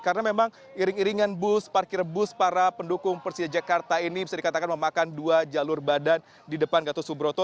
karena memang iring iringan bus parkir bus para pendukung persia jakarta ini bisa dikatakan memakan dua jalur badan di depan kata subroto